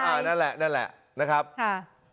นั่นแหละนั่นแหละนะครับค่ะ